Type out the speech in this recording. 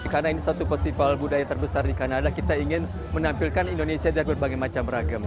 karena ini satu festival budaya terbesar di kanada kita ingin menampilkan indonesia dari berbagai macam ragam